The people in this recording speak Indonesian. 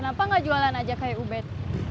kenapa nggak jualan aja kayak ubed